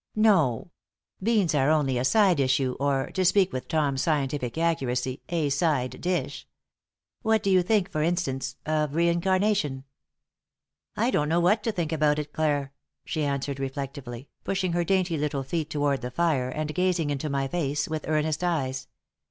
"No. Beans are only a side issue, or, to speak with Tom's scientific accuracy, a side dish. What do you think, for instance, of reincarnation?" "I don't know what to think about it, Clare," she answered, reflectively, pushing her dainty little feet toward the fire and gazing into my face with earnest eyes.